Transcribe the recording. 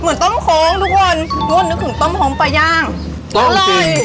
เหมือนต้องโห้ทุกคนทุกคนนึกถึงต้อมโห้มปลาย่าง